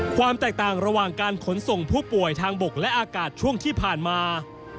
ความแตกต่างระหว่างการขนส่งผู้ป่วยทางบกและอากาศช่วงที่ผ่านมา